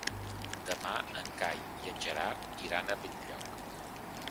Demà en Cai i en Gerard iran a Benlloc.